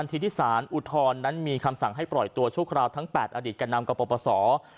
ที่สารอุทธรณ์นั้นมีคำสั่งให้ปล่อยตัวช่วงคราวทั้ง๘อดิตกันนำกับประประสอบ